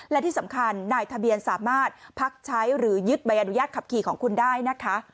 และที่สำคัญนายทะเบียนสามารถพักใช้หรือยึดใบอนุญาตขับขี่ของคุณได้นะคะ